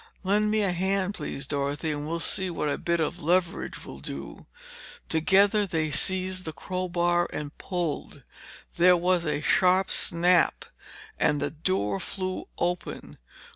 "Lend me a hand, please, Dorothy, and we'll see what a bit of leverage will do." Together they seized the crowbar and pulled. There was a sharp snap and the door flew open.